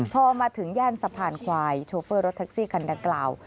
พอมาถึงย่านสะพานควายโชเฟอร์รถแท็กซี่คันดังกล่าว